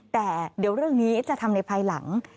แต่เดี๋ยวเรื่องนี้จะทำในภายหลัง